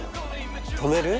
止める？